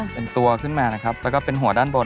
เป็นตัวขึ้นมานะครับแล้วก็เป็นหัวด้านบน